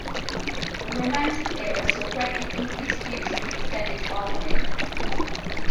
The Romantic era saw greatly increased use of extended harmony.